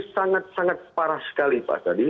sangat sangat parah sekali pak tadi